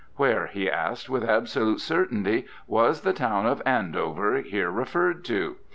Where, he asked, with absolute certainty, was the town of Andover here referred to?